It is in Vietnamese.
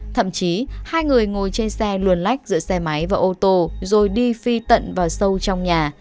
thậm chí hai người ngồi trên xe luồn lách giữa xe máy và ô tô rồi đi phi tận và sâu trong nhà